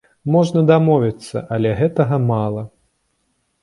Можна дамовіцца, але гэтага мала.